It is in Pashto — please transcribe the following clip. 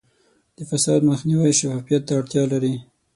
د فساد مخنیوی شفافیت ته اړتیا لري.